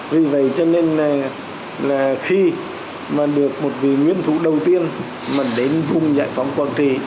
vì vậy cho nên là khi mà được một vị nguyên thủ đầu tiên mà đến vùng giải phóng quảng trị